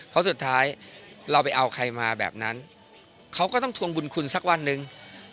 เพราะสุดท้ายเราไปเอาใครมาแบบนั้นเขาก็ต้องทวงบุญคุณสักวันหนึ่ง